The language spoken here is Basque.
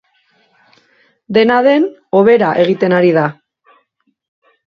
Dena den, hobera egiten ari da.